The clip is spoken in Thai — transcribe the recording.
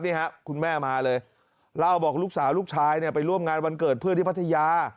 นี่ครับคุณแม่มาเลยเล่าบอกลูกสาวลูกชายเนี่ยไปร่วมงานวันเกิดเพื่อนที่พัทยา